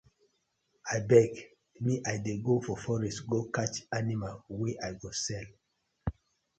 Abeg mi I dey go forest go catch animal wey I go sell.